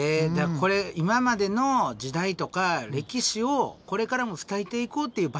これ今までの時代とか歴史をこれからも伝えていこうっていう場所でもあるってことやね